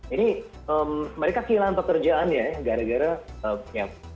ini mereka kehilangan pekerjaannya gara gara ya